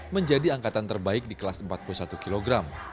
menjadi angkatan terbaik di kelas empat puluh satu kg